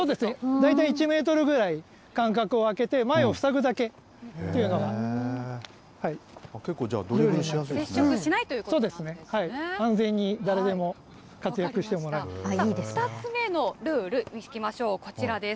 大体１メートルぐらい、間隔を空けて、前を塞ぐだけというの結構じゃあ、ドリブルしやす接触しないということなんで完全に誰でも活躍してもらえ２つ目のルールにいきましょう、こちらです。